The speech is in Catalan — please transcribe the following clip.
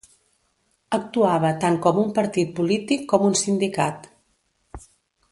Actuava tant com un partit polític com un sindicat.